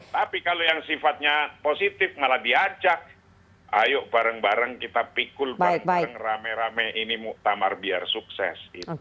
tapi kalau yang sifatnya positif malah diajak ayo bareng bareng kita pikul bareng bareng rame rame ini muktamar biar sukses